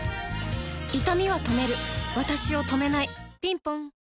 いたみは止めるわたしを止めないぴんぽん